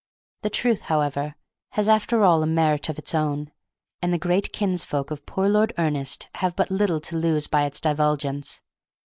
The truth, however, has after all a merit of its own, and the great kinsfolk of poor Lord Ernest have but little to lose by its divulgence.